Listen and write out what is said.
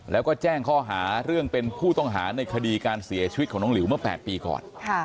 แล้วก็แจ้งข้อหาเรื่องเป็นผู้ต้องหาในคดีการเสียชีวิตของน้องหลิวเมื่อ๘ปีก่อน